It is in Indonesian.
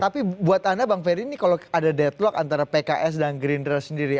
tapi buat anda bang ferry ini kalau ada deadlock antara pks dan gerindra sendiri